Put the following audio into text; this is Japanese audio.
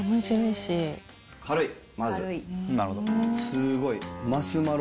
すごい。